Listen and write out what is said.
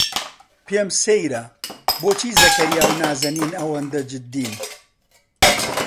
پێم سەیرە بۆچی زەکەریا و نازەنین ئەوەندە جددین.